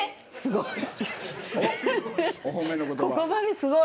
すごい。